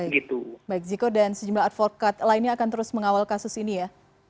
baik ziko dan sejumlah advokat lainnya akan terus mengawal kasus ini ya